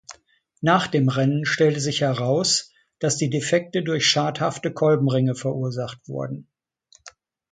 Nach dem Rennen stellte sich heraus, dass die Defekte durch schadhafte Kolbenringe verursacht wurden.